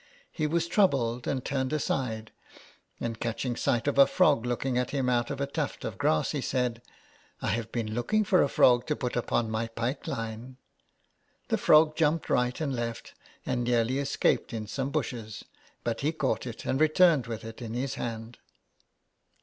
He was troubled and turned aside, and catching sight of a frog looking at him out of a tuft of grass he said —'' I have been looking for a frog to put upon my pike line." The frog jumped right and left, and nearly escaped in some bushes, but he caught it and returned with it in his hand.